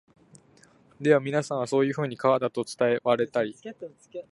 ではみなさんは、そういうふうに川だと云いわれたり、